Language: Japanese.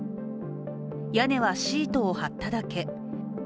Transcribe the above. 屋根はシートを張っただけ。